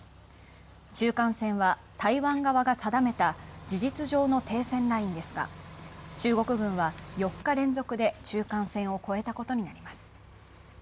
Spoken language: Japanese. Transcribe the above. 中間線は台湾側が定めた事実上の停戦ラインですが中国軍は４日連続で中間線を越えたことになります。